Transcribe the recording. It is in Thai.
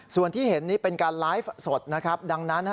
ส่วนที่เห็นนี่เป็นการไลฟ์สดนะครับดังนั้น